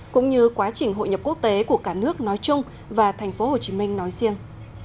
cũng như quá trình hội nhập quốc tế của cả nước nói chung và thành phố hồ chí minh nói riêng